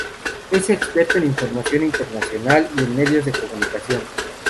Es experto en información internacional y en medios de comunicación.